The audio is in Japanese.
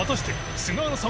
菅原さん。